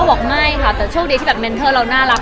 ก่อนพ่อบอกไม่ค่ะแต่เชิงดีที่เมนเทิร์ลอน่ารับ